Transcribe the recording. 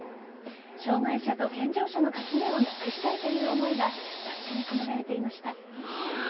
障害者と健常者の垣根をなくしたいという思いがバッジに込められていました。